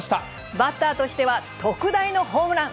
バッターとしては、特大のホームラン。